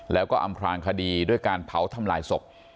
แล้วก็อำพลางคดีด้วยการเผาทำลายศพ